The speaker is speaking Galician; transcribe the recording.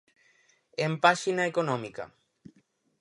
En páxina económica.